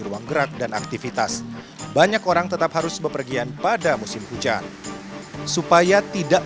ruang gerak dan aktivitas banyak orang tetap harus bepergian pada musim hujan supaya tidak